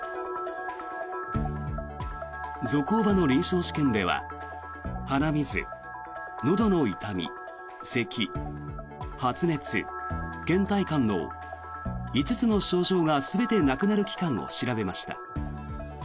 ゾコーバの臨床試験では鼻水、のどの痛み、せき発熱、けん怠感の５つの症状が全てなくなる期間を調べました。